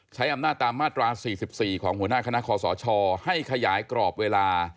ใช้อำนาจตามมาตรา๔๔ของหัวหน้าคณะคอสชให้ขยายกรอบเวลา